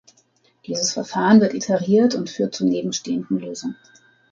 Dieses Verfahren wird iteriert und führt zur nebenstehenden Lösung.